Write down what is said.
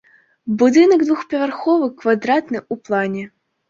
Будынак двухпавярховы, квадратны ў плане.